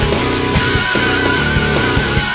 ดีดีดี